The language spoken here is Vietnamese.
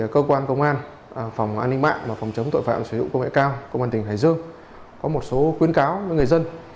cơ quan công an phòng an ninh mạng và phòng chống tội phạm sử dụng công nghệ cao công an tỉnh hải dương có một số khuyến cáo với người dân